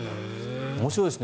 面白いですね。